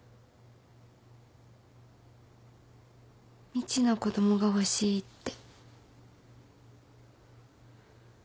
みちの子供が欲しいって。